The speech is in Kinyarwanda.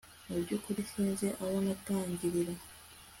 Mu byukuri sinzi aho natangirira